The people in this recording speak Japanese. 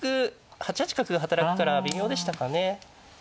８八角が働くから微妙でしたかね。